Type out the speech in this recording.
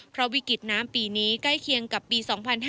เพราะวิกฤตน้ำปีนี้ใกล้เคียงกับปี๒๕๕๙